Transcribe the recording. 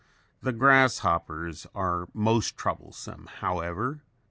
The grasshoppers are most troublesome, however.